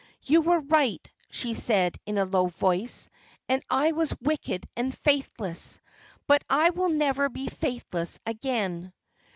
"You were right," she said, in a low voice, "and I was wicked and faithless; but I will never be faithless again."